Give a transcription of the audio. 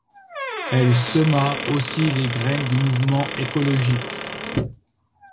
Elle sema aussi les graines du mouvement écologiste.